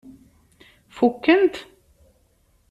Fukken-t?